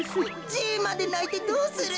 じいまでないてどうする。